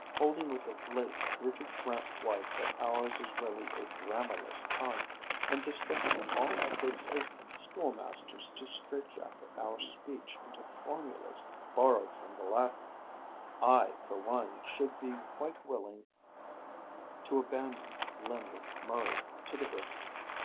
Holding with the late Richard Grant White that ours is really a grammarless tongue, and distrusting all efforts of school masters to strait jacket our speech into formulas borrowed from the Latin, I for one should be quite willing to abandon Lindley Murray to the British.